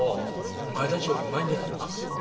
お前たちよりうまいんでないか？